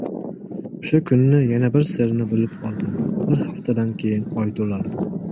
O‘sha kuni yana bir sirni bilib oldim. Bir haftadan keyin oy to‘ladi.